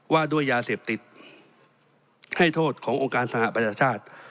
ว่าด้วยยาเสพติดให้โทษขององค์การสหประชาชาติ